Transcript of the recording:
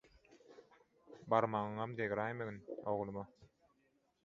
Barmagyňam degiräýmegin, ogluma.